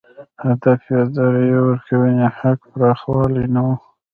هدف یې د رایې ورکونې حق پراخوال نه و.